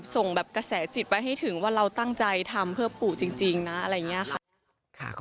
ส่งแบบกระแสจิตไว้ให้ถึงว่าเราตั้งใจทำเพื่อปู่จริงนะอะไรอย่างนี้ค่ะ